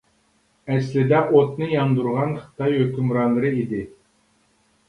ئەسلىدە ئوتنى ياندۇرغان خىتاي ھۆكۈمرانلىرى ئىدى.